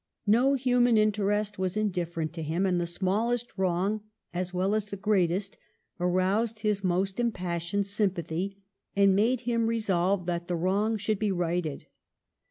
No human interest was in different to him, and the smallest wrong as well as the greatest aroused his most impassioned sympa thy and made him resolve that the wrong should be righted.